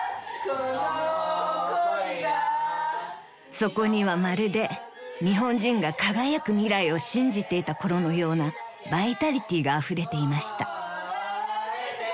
［そこにはまるで日本人が輝く未来を信じていたころのようなバイタリティーがあふれていました］